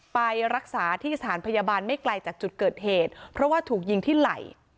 ไปรักษาที่สถานพยาบาลไม่ไกลจากจุดเกิดเหตุเพราะว่าถูกยิงที่ไหล่